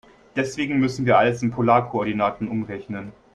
Deswegen müssen wir alles in Polarkoordinaten umrechnen.